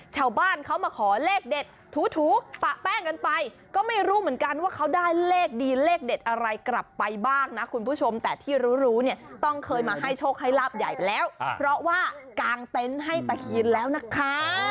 ชกให้ราบใหญ่ไปแล้วเพราะว่ากางเตนท์ให้ตะคีนแล้วนะคะ